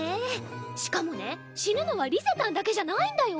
しかもね死ぬのはリゼたんだけじゃないんだよ。